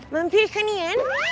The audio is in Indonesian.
mampir kan ian